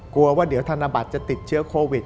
กลัวว่าเดี๋ยวธนบัตรจะติดเชื้อโควิด